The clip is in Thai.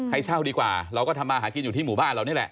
ให้เช่าดีกว่าเราก็ทำมาหากินอยู่ที่หมู่บ้านเรานี่แหละ